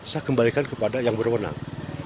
saya kembalikan kepada yang berwenang